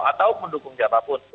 atau mendukung siapapun